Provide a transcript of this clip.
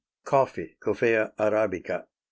COFFEE. (_Coffea Arabica L.